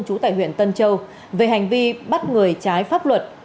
trú tại huyện tân châu về hành vi bắt người trái pháp luật